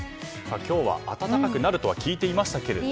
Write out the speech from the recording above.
今日は暖かくなるとは聞いていましたけれども。